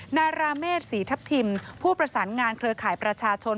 นาราเมษศรีทัพทิมผู้ประสานงานเครือข่ายประชาชน